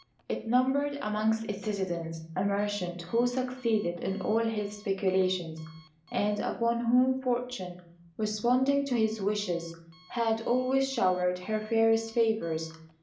It numbered amongst its citizens a merchant, who succeeded in all his speculations, and upon whom Fortune, responding to his wishes, had always showered her fairest favours.